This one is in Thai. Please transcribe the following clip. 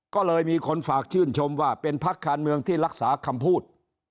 ก็เลยมีคนฝากชื่นชมว่าเป็นพักการเมืองที่รักษาคำพูด